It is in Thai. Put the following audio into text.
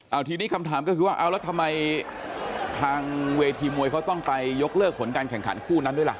เอาทีนี้คำถามก็คือว่าเอาแล้วทำไมทางเวทีมวยเขาต้องไปยกเลิกผลการแข่งขันคู่นั้นด้วยล่ะ